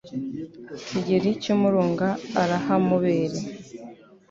kigeli cy'umurunga arahamubere